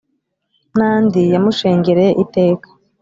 N'andi yamushengereye iteka